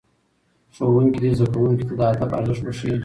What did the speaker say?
ښوونکي دي زدهکوونکو ته د ادب ارزښت وښيي.